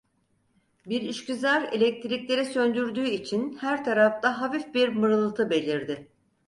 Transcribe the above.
Bir işgüzar elektrikleri söndürdüğü için her tarafta hafif bir mırıltı belirdi.